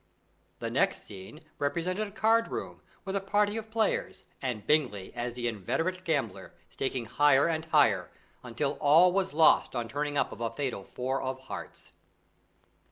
The next scene represented a card room, with a party of players, and Bingley as the inveterate gambler staking higher and higher, until all was lost on turning up of a fatal four of hearts.